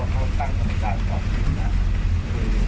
ทางกระทรวงมันเอากำชับอะไรความเกิดขึ้น